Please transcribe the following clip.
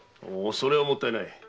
それはもったいない。